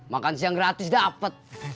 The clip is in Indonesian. makan siang gratis dapet